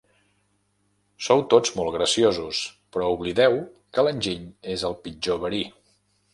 Sou tots molt graciosos, però oblideu que l'enginy és el pitjor verí.